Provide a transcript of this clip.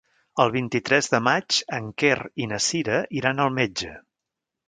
El vint-i-tres de maig en Quer i na Cira iran al metge.